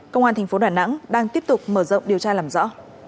công an tp đà nẵng đang tiếp tục mở rộng điều tra làm rõ